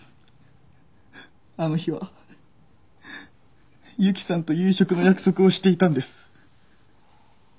あの日は由紀さんと夕食の約束をしていたんです。